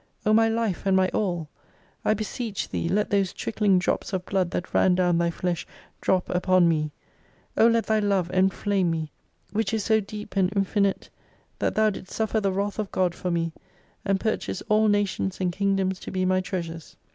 O my life and my all! I beseech Thee let those trickling drops of blood that ran dov/n Thy flesh drop upon me. O let Thy love enflame me. Which is so deep and infinite, that Thou didst suffer the wrath of GOD for me : And purchase all nations and Kingdoms to be my treasures.